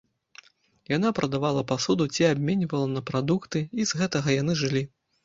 Яна прадавала пасуду ці абменьвала на прадукты, і з гэтага яны жылі.